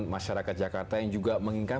masyarakat jakarta yang juga menginginkan